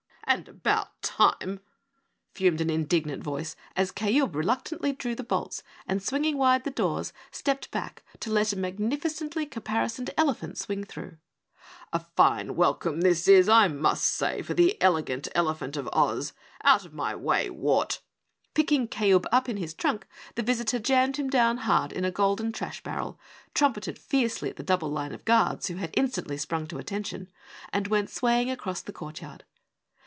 "And about time," fumed an indignant voice, as Kayub reluctantly drew the bolts and, swinging wide the doors, stepped back to let a magnificently caparisoned elephant swing through. "A fine welcome this is, I must say, for the Elegant Elephant of Oz! Out of my way, wart!" Picking Kayub up in his trunk, the visitor jammed him down hard into a golden trash barrel, trumpeted fiercely at the double line of guards who had instantly sprung to attention, and went swaying across the courtyard.